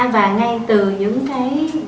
và ngay từ những cái